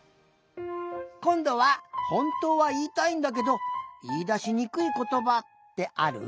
こんどはほんとうはいいたいんだけどいいだしにくいことばってある？